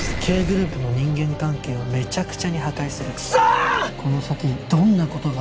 Ｋグループの人間関係をめちゃくちゃに破壊する。